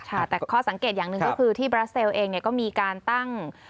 แต่ข้อสังเกตอย่างหนึ่งก็คือที่บราเซลเองเนี่ยก็มีการตั้ง